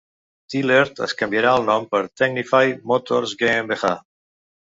Thielert es canviarà de nom per "Technify Motors GmbH".